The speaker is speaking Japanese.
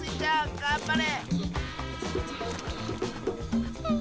がんばれ！